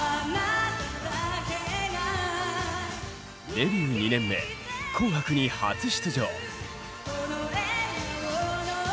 デビュー２年目「紅白」に初出場。